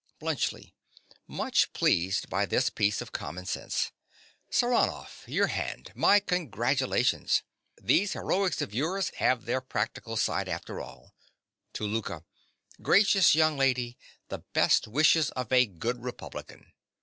BLUNTSCHLI. (much pleased by this piece of common sense). Saranoff: your hand. My congratulations. These heroics of yours have their practical side after all. (To Louka.) Gracious young lady: the best wishes of a good Republican!